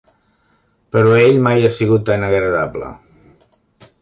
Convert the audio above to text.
Però ell mai ha sigut tan agradable.